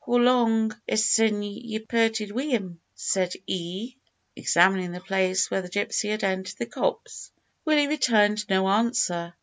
Hoe long is't sin' ye perted wi' him, said ee?" examining the place where the gypsy had entered the copse. Willie returned no answer.